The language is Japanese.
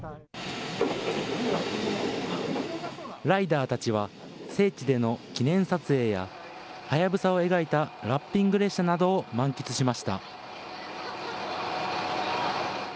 ライダーたちは聖地での記念撮影や隼を描いたラッピング列車などを満喫しました。